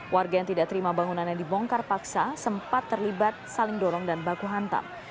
warga yang tidak terima bangunan yang dibongkar paksa sempat terlibat saling dorong dan baku hantam